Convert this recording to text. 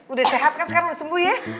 udah sehat kan sekarang udah sembuh ya